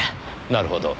なるほど。